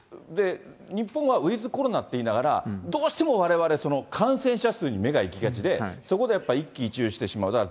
日本はウィズコロナって言いながら、どうしてもわれわれ、感染者数に目が行きがちで、そこでやっぱり一喜一憂してしまう。